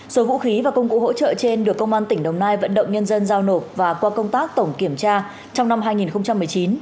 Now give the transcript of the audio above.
số vũ khí và công cụ hỗ trợ trên được công an tỉnh đồng nai vận động nhân dân giao nộp và qua công tác tổng kiểm tra trong năm hai nghìn một mươi chín